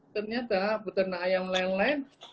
ternyata beternak ayam lain lain